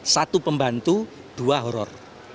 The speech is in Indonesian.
satu pembantu dua horor